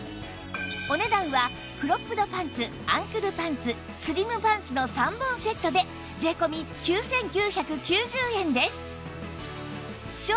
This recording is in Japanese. お値段はクロップドパンツアンクルパンツスリムパンツの３本セットで税込９９９０円です